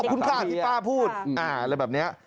คุณค่าที่ป้าพูดอะไรแบบนี้